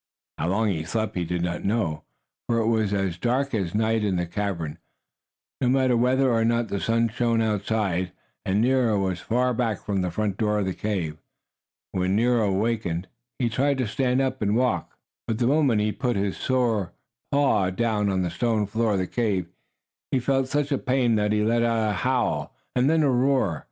How long he slept he did not know, for it was as dark as night in the cavern, no matter whether or not the sun shone outside, and Nero was far back from the front door of the cave. When Nero awakened he tried to stand up and walk. But the moment he put his sore paw down on the stone floor of the cave, he felt such a pain that he let out a howl and then a roar.